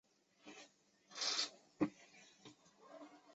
教区包括该国西北部赤道省东部和东方省西部。